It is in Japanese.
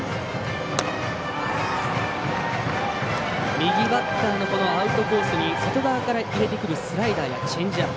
右バッターのアウトコースに外側からいれてくるスライダーやチェンジアップ。